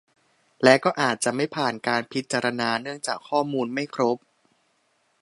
และก็อาจจะไม่ผ่านการพิจารณาเนื่องจากข้อมูลไม่ครบ